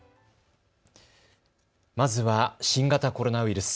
まずは新型コロナウイルス。